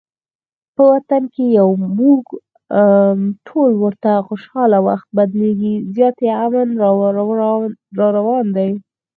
په وطن کې یو موږ ټول ورته خوشحاله، وخت بدلیږي زیاتي امن راروان دي